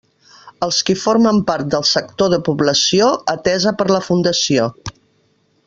Els qui formen part del sector de població, atesa per la Fundació.